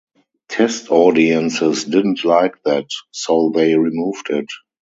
Test audiences didn’t like that so they removed it.